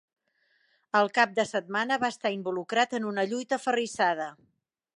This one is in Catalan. El cap de setmana va estar involucrat en una lluita aferrissada.